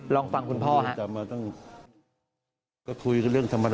ลองฟังคุณพ่อครับ